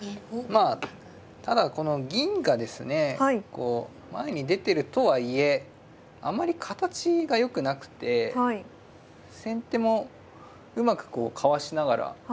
まあただこの銀がですねこう前に出てるとはいえあまり形がよくなくて先手もうまくこうかわしながら。